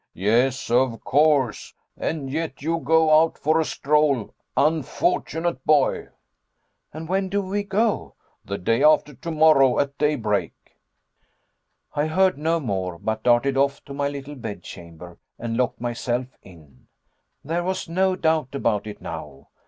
"Yes of course, and yet you go out for a stroll, unfortunate boy!" "And when do we go?" "The day after tomorrow, at daybreak." I heard no more; but darted off to my little bedchamber and locked myself in. There was no doubt about it now.